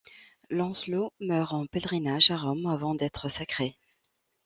Lancelot meurt en pèlerinage à Rome, avant d'être sacré.